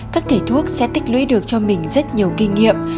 các thầy thuốc sẽ tích lưỡi được cho mình rất nhiều kinh nghiệm